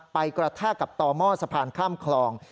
กระแทกกับต่อหม้อสะพานข้ามคลอง